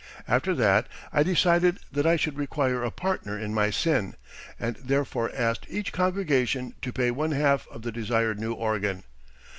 After that I decided that I should require a partner in my sin, and therefore asked each congregation to pay one half of the desired new organ.